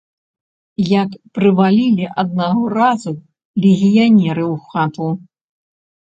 Як прывалілі аднаго разу легіянеры ў хату.